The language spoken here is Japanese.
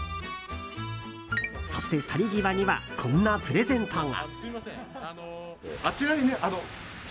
そして、去り際にはこんなプレゼントが。